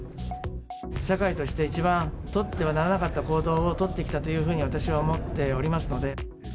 社会人として一番取ってはならなかった行動を取ってきたというふうに私は思っておりますので。